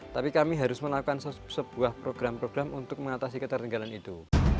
tapi kami harus melakukan sebuah program program untuk mengatasi ketertinggalan itu